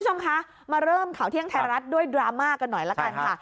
คุณผู้ชมคะมาเริ่มข่าวเที่ยงไทยรัฐด้วยดราม่ากันหน่อยละกันค่ะ